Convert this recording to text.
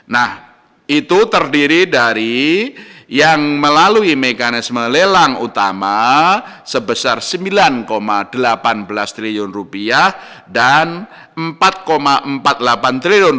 nah itu terdiri dari yang melalui mekanisme lelang utama sebesar rp sembilan delapan belas triliun dan rp empat empat puluh delapan triliun